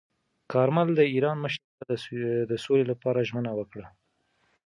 کارمل د ایران مشر ته د سولې لپاره ژمنه وکړه.